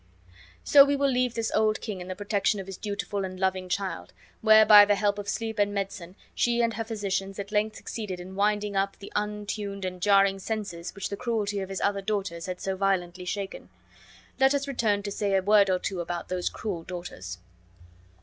So we will leave this old king in the protection of his dutiful and loving child, where, by the help of sleep and medicine, she and her physicians at length succeeded in winding up the untuned and jarring senses which the cruelty of his other daughters had so violently shaken. Let us return to say a word or two about those cruel daughters.